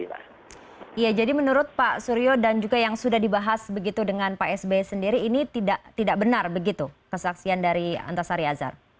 iya jadi menurut pak suryo dan juga yang sudah dibahas begitu dengan pak sby sendiri ini tidak benar begitu kesaksian dari antasari azhar